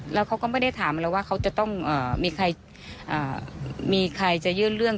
แล้วเขาก็ไม่ได้ถามเราว่าเขาจะต้องมีใครมีใครจะยื่นเรื่อง